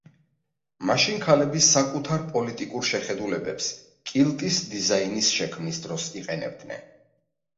მაშინ ქალები საკუთარ პოლიტიკურ შეხედულებებს, კილტის დიზაინის შექმნის დროს იყენებდნენ.